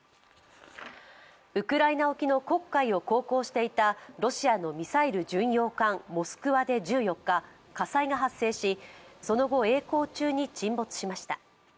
ウクライナ沖の黒海を航行していたロシアのミサイル巡洋艦「モスクワ」で１４日火災が発生し、その後、えい航中に沈没しました。